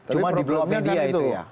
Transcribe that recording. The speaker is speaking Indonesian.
cuma di blok media itu ya